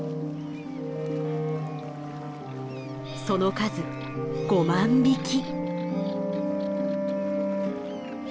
その数５万匹。